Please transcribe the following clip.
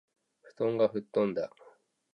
布団がふっとんだ